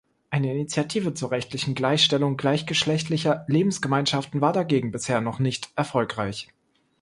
Eine Initiative zur rechtlichen Gleichstellung gleichgeschlechtlicher Lebensgemeinschaften war dagegen bisher noch nicht erfolgreich.